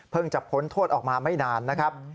จะพ้นโทษออกมาไม่นานนะครับ